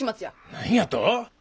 何やと？